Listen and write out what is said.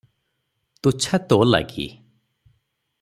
ତୁଚ୍ଛା ତୋ ଲାଗି ।"